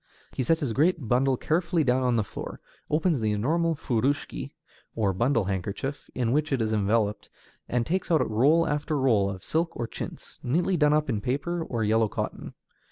He sets his great bundle carefully down on the floor, opens the enormous furushiki, or bundle handkerchief, in which it is enveloped, and takes out roll after roll of silk or chintz, neatly done up in paper or yellow cotton.